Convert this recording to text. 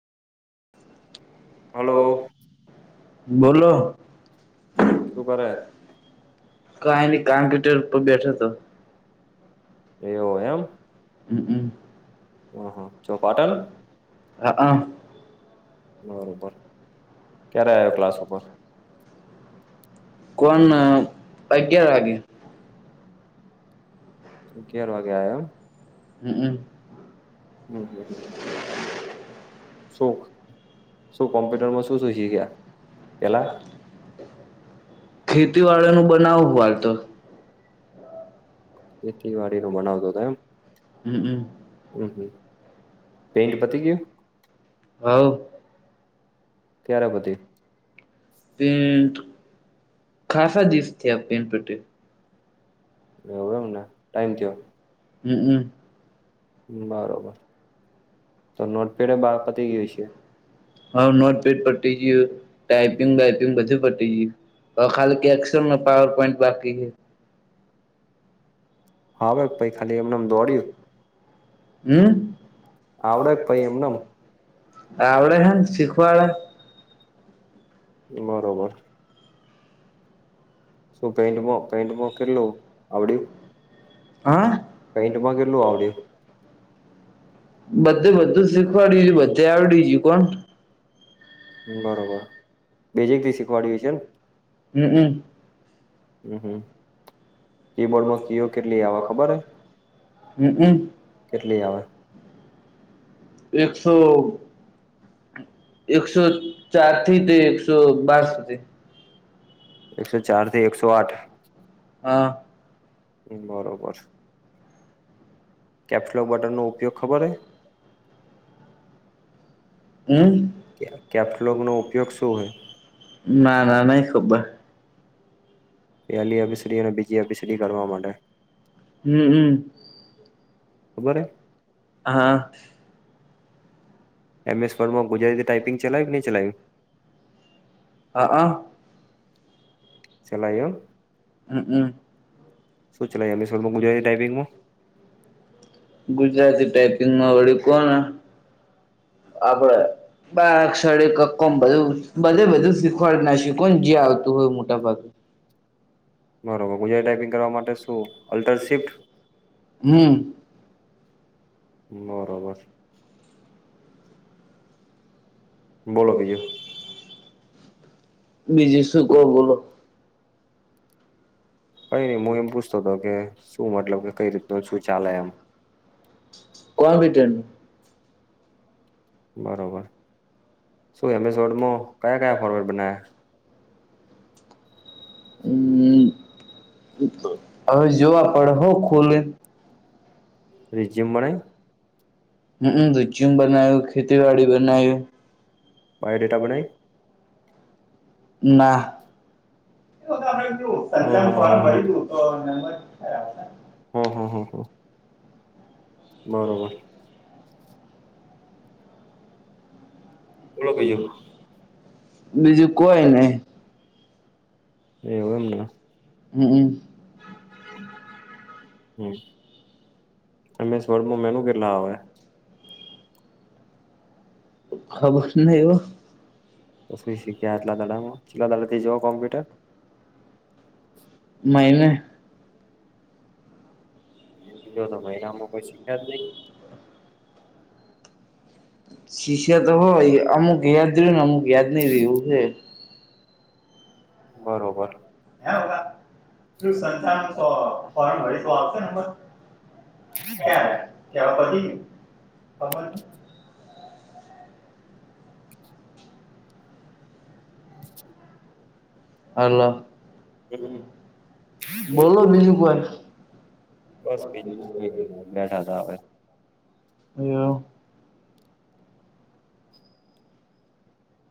Hello hello બોલો શું કરે [inaudible] કાઈનીય કોમ્પ્યુટર ઉપર બેઠો તો. એવુ એમ. હમ હમ હહ ચો પાટણ હઅ બરોબર ક્યારે આયો ક્લાસ ઉપર. કોણ? અગિયાર વાગે. અગિયાર વાગે આયો એમ. હમમ. હમ. શું શું કોમ્પ્યુટરમાં શું શું શીખ્યા એલા. ખેતીવાળી નું બનાવ [unintelligible] ખેતીવાડી નું ભણાવતા તો એમ હમ હમ હમ્મ હમ્મ. હવ. ક્યારે પતી ટેન્થ ખાસા દેશ થિયા ટેન થતે. હોવે ને ટાઈમ થ્યો હમ બરોબર. તો નોટપેડ એ બા પતી ગયું છે હ નોટપેડ પતી ગ્યું ટાઈપિંગ બે તે બધું પતી ગ્યું હવે ખાલી એક સેમ ને પાવર પોઈન્ટ બાકી છે. હા ભાઈ પ ખાલી એમનેમ દોડ્યું. હમ્મ. આવડે પહિ એમનેમ આવડે હે ને શીખવાડા. બરોબર. શું પેન્ટ માં પેન્ટ માં કેટલું આવડયુ? હા પેન્ટ માં કેટલું આવડ્યું? બધે બધું શીખવાડ્યું છે બધે બરોબર. આવડી ગ્યું કોણ બરોબર બીજી થી શીખવાડી છે ને. હમ્મ હમ્મ. હમ્મ હમ્મ. ખબર હે હમ્મ હમ્મ. કેટલી આવે? એકસો એકસો ચાર થી તે એકસો બાર સુધી. એકસો ચાર થી એકસો આઠ હા બરોબર. કેપ્સલોગ બટન નો ઉપયોગ ખબર હે? હમ્મ કેપ્સલોકનો ઉપયોગ શું હે? ના ના નઈ ખબર. પહેલી એ બી સી ડી અને બીજી એ બી સી ડી કરવા માટે. હમ્મ હમ્મ ખબર હે? હા. એમ એસ વોર્ડ માં ગુજરાતી ટાઈપિંગ ચલાયું કે નહીં ચલાયું? હા આ. ચલાય એમ. હમ શું ચલાય શું ચલાય જો ગુજરાતી ટાઈપિંગમાં. ગુજરાતી ટાઈપિંગમાં વળી કોને આપડે બસ છડે કકોમ બધું બધે બધું શીખવાડ ના શીખ કોણ ક્યાં હતું મોટા ભાગે. બરોબર ગુજરાતી ટાઈપિંગ કરવા માટે શું અલ્ટરશિફ્ટ? હમ્મ. બરોબર છ. બોલો બીજું બીજે શું કો બોલો? કઈ નઈ હું એમ પૂછતો હતો કે શું મતલબ કે કઈ રીતનું શું ચાલે એમ? કોણ બિટન. બરોબર શું એમ એસ વોર્ડ માં કયા-કયા ફોર્મેટ બનાયા. હમ્મ હવે જો બનાયા આપડ હો ખોલે. રિઝ્યુમ બનાઈ હમ્મ હમ્મ એચૂમ બનાયું, ખેતીવાડી બનાયું. Bio data બનાઇ? હ હ હ હ ના. [unintelligible] હો હો હો હો. બરોબર. બોલો બીજું બીજું કો એને? એવું એમને. હમ હમ એમેસોડમાં મેનું કેટલા આવે? ખબર નય હ [unintelligible] શીખ્યા એટલા દાડામાં [unintelligible] જો કોમ્પ્યુટર મહિને જો તો મહિનામાં કોઈ શીખ્યા જ નહી? શિષ્ય તો હોય અમુક યાદ રહ્યું. નહી ને અમુક યાદ નઈ રિયુ હે બરો બર હે બકા [unintelligible] [unintelligible] [inaudible] હલો બોલો બીજું બસ બીજું કઈ નઈ બેઠા તા હવે કંઇ [inaudible]